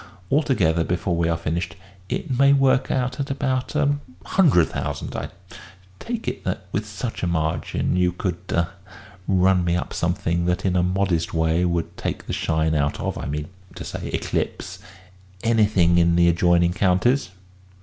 Altogether, before we are finished, it may work out at about a hundred thousand. I take it that, with such a margin, you could ah run me up something that in a modest way would take the shine out of I mean to say eclipse anything in the adjoining counties?"